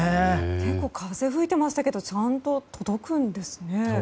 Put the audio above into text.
結構風吹いていましたけどちゃんと届くんですね。